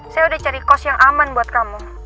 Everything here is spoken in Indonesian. saya udah cari cost yang aman buat kamu